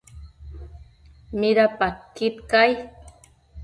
Midapadquid cai?